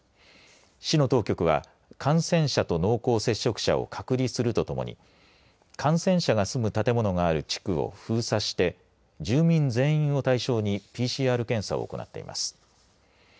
市の当局は感染者と濃厚接触者を隔離するとともに感染者が住む建物がある地区を封鎖して住民全員を対象にＰＣＲ検査を行っています。